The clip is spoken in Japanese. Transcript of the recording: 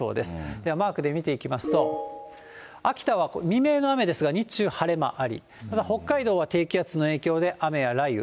では、マークで見ていきますと、秋田は未明の雨ですが、日中晴れ間あり、また、北海道は低気圧の影響で雨や雷雨。